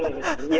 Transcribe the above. terlahian nih ya